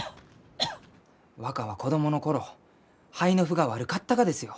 若は子どもの頃肺の腑が悪かったがですよ。